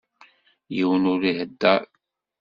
Yiwen ur ihedder.